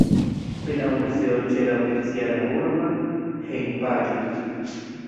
Pri la muzeo ĉe la oficiala urba hejmpaĝo.